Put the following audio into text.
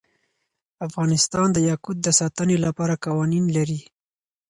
افغانستان د یاقوت د ساتنې لپاره قوانین لري.